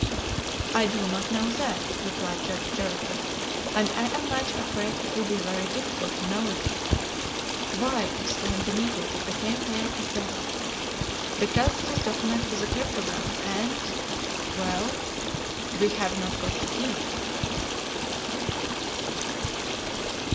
"I do not know that," replied Judge Jarriquez; "and I am much afraid it will be very difficult to know it." "Why?" exclaimed Benito, who became pale as death. "Because this document is a cryptogram, and " "Well?" "We have not got the key!"